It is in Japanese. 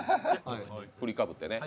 振りかぶってね